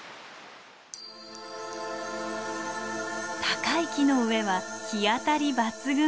高い木の上は日当たり抜群。